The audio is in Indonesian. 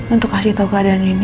untuk kasih tau keadaan nino